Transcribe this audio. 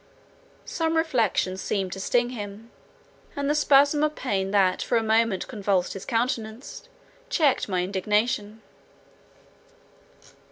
— Some reflection seemed to sting him, and the spasm of pain that for a moment convulsed his countenance, checked my indignation.